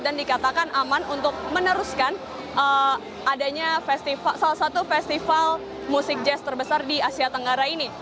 dan dikatakan aman untuk meneruskan adanya salah satu festival musik jazz terbesar di asia tenggara ini